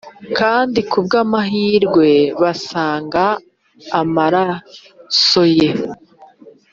kandi kubwamahirwe basanga amarasoye